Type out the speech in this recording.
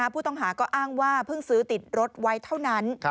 ผู้ต้องหาก็อ้างว่าเพิ่งซื้อติดรถไว้เท่านั้น